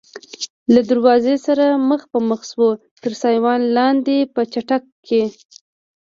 له دروازې سره مخ په مخ شوو، تر سایوان لاندې په چټک کې.